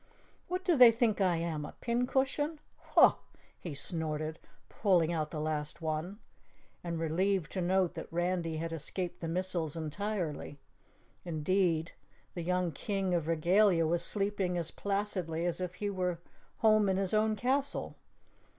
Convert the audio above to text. "What do they think I am, a pincushion? Hoh!" he snorted, pulling out the last one, and relieved to note that Randy had escaped the missiles entirely. Indeed, the young King of Regalia was sleeping as placidly as if he were home in his own castle.